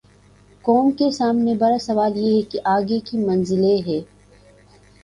قوم کے سامنے بڑا سوال یہ ہے کہ آگے کی منزلیں ہیں۔